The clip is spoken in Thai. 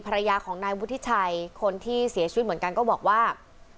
ภรรยาของนายวุฒิชัยคนที่เสียชีวิตเหมือนกันก็บอกว่า